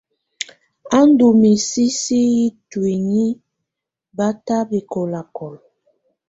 Bá ndù misisi yɛ tuinyii bata bɛkɔlakɔla.